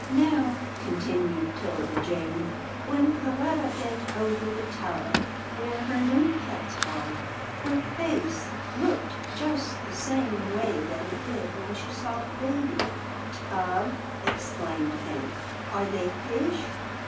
" Now," continued 'Tilda Jane, " when Perletta bent over the tub where her new pets are, her face looked just the same way that it did when she saw the baby." " Tub! " exclaimed Hank, " are they fish?